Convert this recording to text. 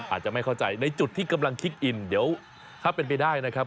อาจจะไม่เข้าใจในจุดที่กำลังคิกอินเดี๋ยวถ้าเป็นไปได้นะครับ